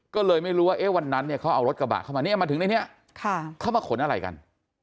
ก็เลยไม่รู้ว่าวันนั้นเนี่ยเขาเอารถกระบะเข้ามาเนี่ยมาถึงในนี้เขามาขนอะไรกัน